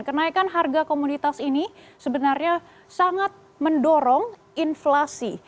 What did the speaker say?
kenaikan harga komoditas ini sebenarnya sangat mendorong inflasi